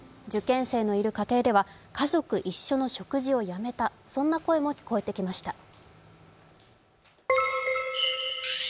受験生のいる家庭では家族一緒の食事をやめたそんな声も聞こえてきました。